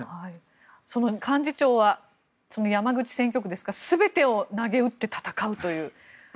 その幹事長は山口選挙区で、全てをなげうって戦うという。